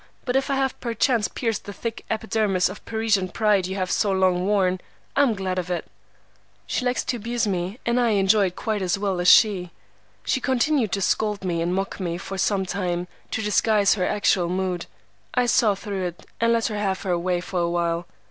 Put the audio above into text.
But if I have perchance pierced the thick epidermis of Parisian pride you have so long worn, I'm glad of it.' "She likes to abuse me, and I enjoy it quite as well as she. She continued to scold me and mock me for some time, to disguise her actual mood. I saw through it, and let her have her way for a while.